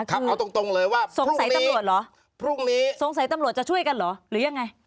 คือสงสัยตำรวจหรอหรือยังไง